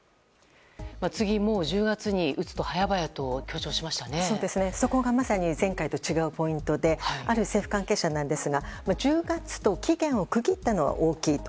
次、１０月に打つと早々にそこがまさに前回と違うポイントである政府関係者ですが１０月と期限を区切ったのは大きいと。